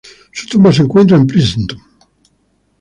Su tumba se encuentra en Princeton.